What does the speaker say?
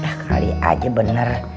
ya kali aja bener